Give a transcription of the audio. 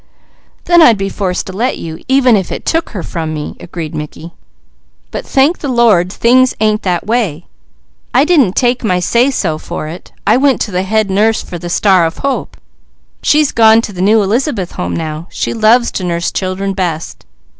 "Then I'd be forced to let you, even if it took her from me," agreed Mickey. "But thank the Lord, things ain't that way. I didn't take my say so for it; I went to the head nurse of the Star of Hope; she's gone to the new Elizabeth Home now; she loves to nurse children best.